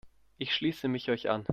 Ich schließe mich euch an.